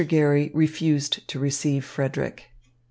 Garry refused to receive Frederick.